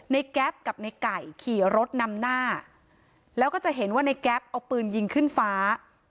แก๊ปกับในไก่ขี่รถนำหน้าแล้วก็จะเห็นว่าในแก๊ปเอาปืนยิงขึ้นฟ้า